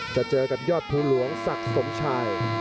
จะเจอกับยอดภูหลวงศักดิ์สมชาย